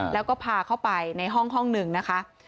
แล้วก็พาเข้าไปในห้องหนึ่งนะคะ